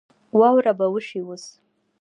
واوره به وشي اوس